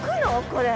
これ。